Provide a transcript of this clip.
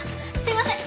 すいません。